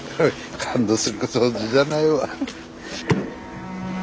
感動するほどじゃないわ。